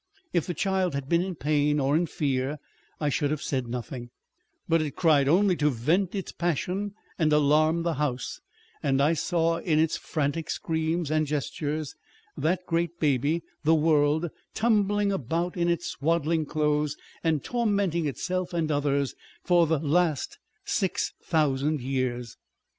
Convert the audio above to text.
If the child had been in pain or in fear, I should have said nothing, but it cried only to vent its passion and alarm the house, and I saw in its frantic screams and gestures that great baby, the world, tumbling about in its swaddling clothes, and tormenting itself and others for the last six thousand years